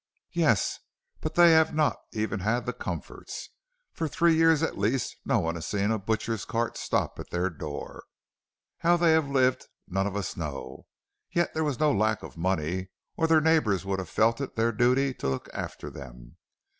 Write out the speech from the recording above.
"'Yes, but they have not even had the comforts. For three years at least no one has seen a butcher's cart stop at their door. How they have lived none of us know; yet there was no lack of money or their neighbors would have felt it their duty to look after them.